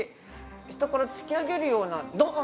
下から突き上げるようなドーン！